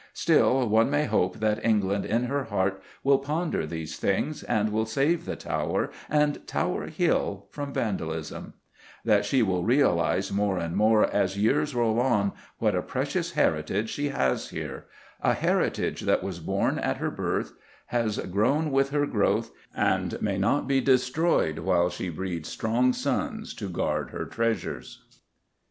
Still, one may hope that England in her heart will ponder these things, and will save the Tower and Tower Hill from vandalism; that she will realise more and more as years roll on what a precious heritage she has here a heritage that was born at her birth, has grown with her growth, and may not be destroyed while she breeds strong sons to guard her treasures.